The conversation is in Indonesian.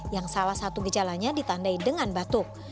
yang salah satu gejalanya ditandai dengan batuk